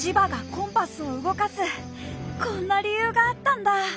こんな理由があったんだ！